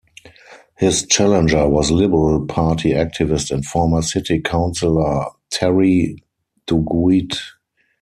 His challenger was Liberal Party activist and former city councillor Terry Duguid.